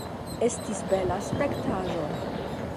Estis bela spektaĵo.